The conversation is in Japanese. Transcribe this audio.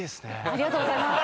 ありがとうございます。